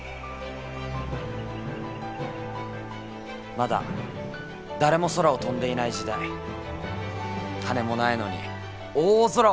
まだ誰も空を飛んでいない時代羽もないのに大空を目指した。